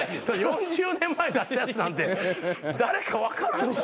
４０年前に出したやつなんて誰か分からんし。